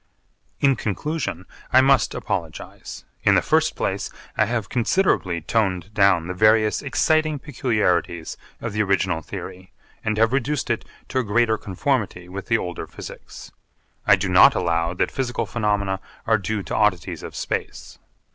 In conclusion, I must apologise. In the first place I have considerably toned down the various exciting peculiarities of the original theory and have reduced it to a greater conformity with the older physics. I do not allow that physical phenomena are due to oddities of space.